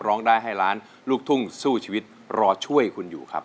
ร้องได้ให้ล้านลูกทุ่งสู้ชีวิตรอช่วยคุณอยู่ครับ